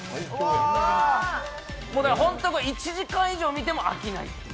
これ本当、１時間以上見ても飽きない。